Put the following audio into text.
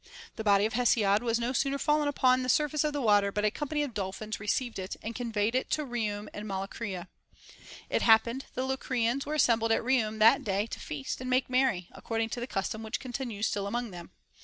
The body of Hesiod was no sooner fallen upon the surface of the water, but a company of dolphins received it, and conveyed it to Iihium and Molycria. It happened the Locrians were assembled at Kliium that day to feast and make merry, according to the custom which continues still among them.